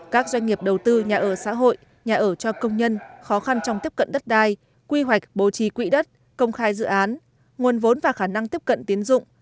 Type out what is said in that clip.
các doanh nghiệp đầu tư nhà ở xã hội nhà ở cho công nhân khó khăn trong tiếp cận đất đai quy hoạch bố trí quỹ đất công khai dự án nguồn vốn và khả năng tiếp cận tiến dụng